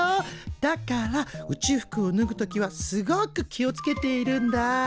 だから宇宙服をぬぐ時はすごく気をつけているんだ。